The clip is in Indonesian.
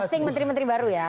asing menteri menteri baru ya